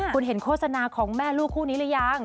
คุณเห็นโฆษณาของแม่ลูกคู่นี้หรือยัง